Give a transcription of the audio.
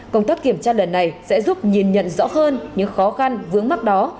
công tác kiểm tra lần này sẽ giúp nhìn nhận rõ hơn những khó khăn vướng mắt đó